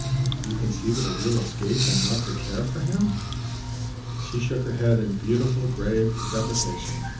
"You conceive it a real escape then not to care for him?" She shook her head in beautiful grave deprecation.